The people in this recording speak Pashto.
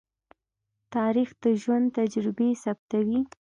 تاریخ د ژوند تجربې ثبتوي.